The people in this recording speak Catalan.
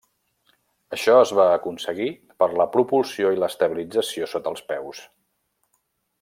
Això es va aconseguir per la propulsió i l'estabilització sota els peus.